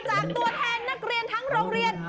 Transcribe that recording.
ตัวแทนนักเรียนทั้งโรงเรียน